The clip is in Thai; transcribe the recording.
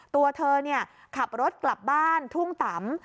ตัวเธอขับรถกลับบ้านทุ่งตำ